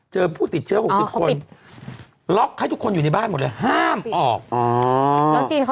ผู้ติดเชื้อ๖๐คนล็อกให้ทุกคนอยู่ในบ้านหมดเลยห้ามออก